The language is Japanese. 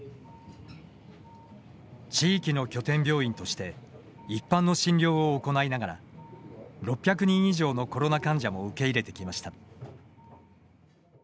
地域の拠点病院として一般の診療を行いながら６００人以上のコロナ患者も受け入れてきました。